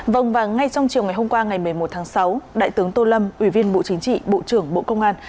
vâng và ngay trong chiều ngày hôm qua ngày một mươi một tháng sáu đại tướng tô lâm ủy viên bộ chính trị bộ trưởng bộ công an